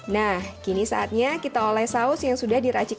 nah kini saatnya kita oleh saus yang sudah diracik